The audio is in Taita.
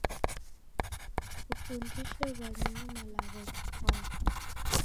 Kufundishe w'anyinyu malagho ghifwane